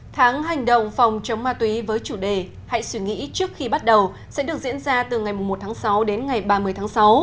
tháng hành động phòng chống ma túy với chủ đề hãy suy nghĩ trước khi bắt đầu sẽ được diễn ra từ ngày một tháng sáu đến ngày ba mươi tháng sáu